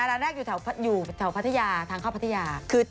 เอาล้านแรกผ่านไป